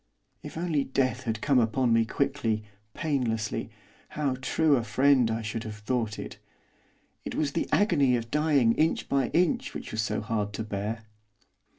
If only death had come upon me quickly, painlessly, how true a friend I should have thought it! It was the agony of dying inch by inch which was so hard to bear.